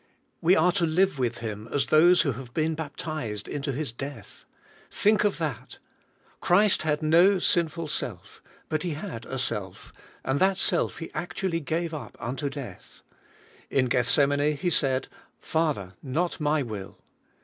We are to live with Him as those who have never been bap tized into His death. Think of that! Christ had no sinful self, but He had a self and that self He actually gave up unto death. In Gethsemane He said, "Father, not My will."